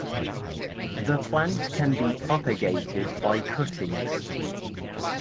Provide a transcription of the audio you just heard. The plant can be propagated by cuttings.